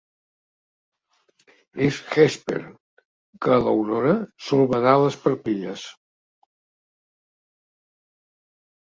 És Hèsper, que a l'Aurora sol badar les parpelles.